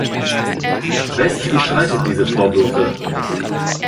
West bestreitet diese Vorwürfe.